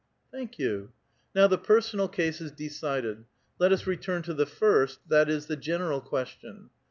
" Thank you. Now the personal case is decided. Let us * return to the first, that is, the general question.